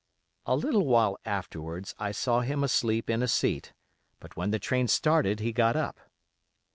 "A little while afterwards I saw him asleep in a seat, but when the train started he got up.